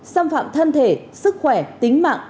xâm phạm thân thể sức khỏe tính mạng